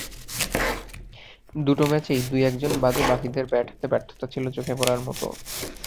দুটো ম্যাচেই দুই-একজন বাদে বাকিদের ব্যাট হাতে ব্যর্থতা ছিল চোখে পড়ার মতোই।